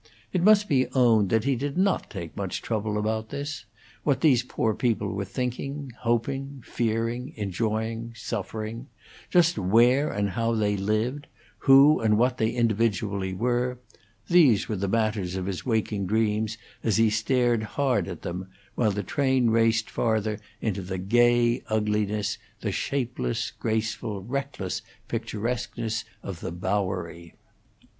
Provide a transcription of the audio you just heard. It must be owned that he did not take much trouble about this; what these poor people were thinking, hoping, fearing, enjoying, suffering; just where and how they lived; who and what they individually were these were the matters of his waking dreams as he stared hard at them, while the train raced farther into the gay ugliness the shapeless, graceful, reckless picturesqueness of the Bowery.